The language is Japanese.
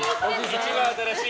一番新しい。